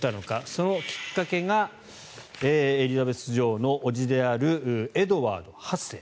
そのきっかけがエリザベス女王の伯父であるエドワード８世。